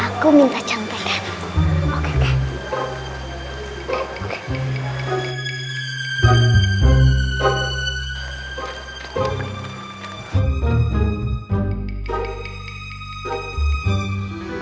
aku minta contekan